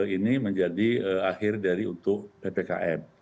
ini menjadi akhir dari untuk ppkm